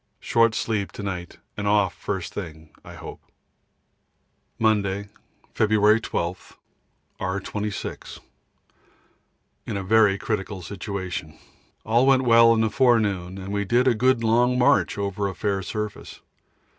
Short sleep to night and off first thing, I hope. Monday, February 12. R. 26. In a very critical situation. All went well in the forenoon, and we did a good long march over a fair surface.